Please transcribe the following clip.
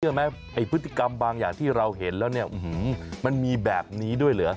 ไหมไอ้พฤติกรรมบางอย่างที่เราเห็นแล้วเนี่ยมันมีแบบนี้ด้วยเหรอ